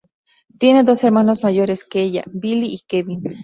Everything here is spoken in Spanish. Tiene dos hermanos mayores que ella, Billy y Kevin.